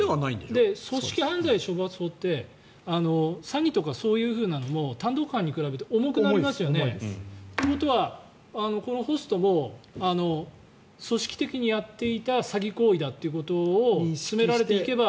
組織犯罪処罰法って詐欺とかそういうふうなのも単独犯に比べて重くなりますよね。ということは、ホストも組織的にやっていた詐欺行為だということを詰められていけば